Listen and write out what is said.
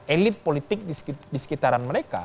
elit politik di sekitaran mereka